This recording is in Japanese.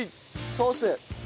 ソース！